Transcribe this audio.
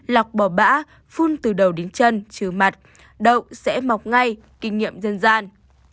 lọc bỏ bã phun từ đầu đến chân trừ mặt đậu sẽ mọc ngay kinh nghiệm dân gian